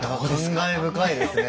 感慨深いですね。